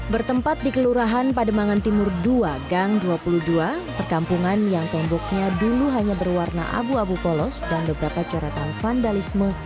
bertempat di kelurahan pademangan timur dua gang dua puluh dua perkampungan yang temboknya dulu hanya berwarna abu abu polos dan beberapa coretan vandalisme